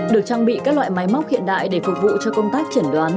được trang bị các loại máy móc hiện đại để phục vụ cho công tác chẩn đoán